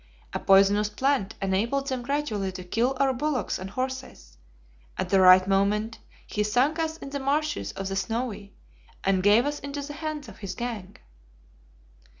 A poisonous plant enabled them gradually to kill our bullocks and horses. At the right moment he sunk us in the marshes of the Snowy, and gave us into the hands of his gang."